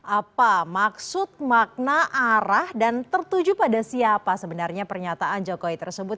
apa maksud makna arah dan tertuju pada siapa sebenarnya pernyataan jokowi tersebut